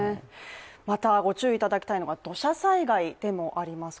またご注意いただきたいのが土砂災害でもあります。